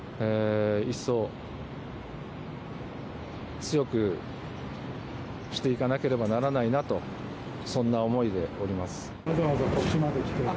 いっそう強くしていかなければならないなとそんな思いでおります。